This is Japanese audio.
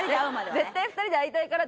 絶対２人で会いたいから。